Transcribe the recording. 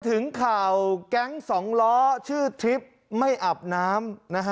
ถึงข่าวแก๊งสองล้อชื่อทริปไม่อาบน้ำ